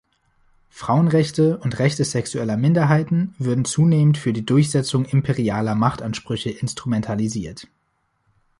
Frauenrechte und Rechte sexueller Minderheiten würden zunehmend für die Durchsetzung imperialer Machtansprüche instrumentalisiert.